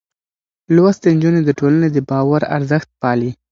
لوستې نجونې د ټولنې د باور ارزښت پالي.